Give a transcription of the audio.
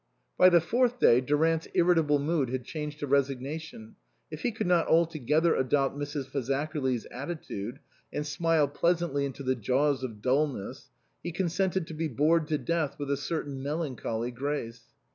By the fourth day Durant's irritable mood had changed to resignation. If he could not altogether adopt Mrs. Fazakerly's attitude and smile pleasantly into the jaws of dulness, he consented to be bored to death with a certain melancholy grace.